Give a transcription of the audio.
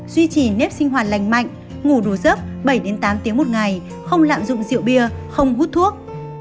duy trì nếp sinh hoạt lành mạnh ngủ đủ giấc bảy tám tiếng một ngày không lạm dụng rượu bia không hút thuốc